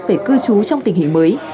về cư trú trong tình hình mới